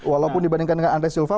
walaupun dibandingkan dengan andre silva